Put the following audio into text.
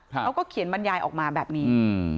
เขาก็เขียนบรรยายออกมาแบบนี้